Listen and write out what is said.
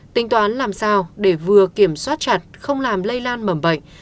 tính toán làm sao để vừa kiểm soát chặt không làm lây lan mầm bệnh